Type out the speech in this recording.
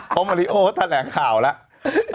เพราะมาริโอเขาแถลงข่าวแล้ว